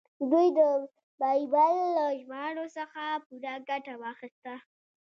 دوی د بایبل له ژباړو څخه پوره ګټه واخیسته.